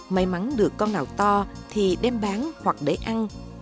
may mắn được con nào to thì đem bán hoặc để ăn